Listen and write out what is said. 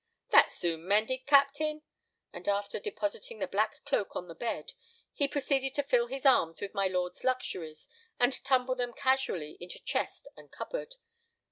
"That's soon mended, captain." And, after depositing the black cloak on the bed, he proceeded to fill his arms with my lord's luxuries, and tumble them casually into chest and cupboard.